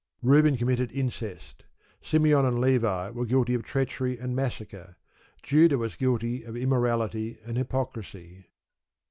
Reuben committed incest. Simeon and Levi were guilty of treachery and massacre. Judah was guilty of immorality and hypocrisy.